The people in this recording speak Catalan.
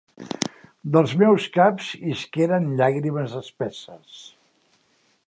Dels meus caps isqueren llàgrimes espesses.